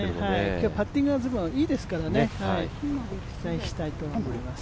今日パッティングはずいぶんいいですから、期待したいと思います。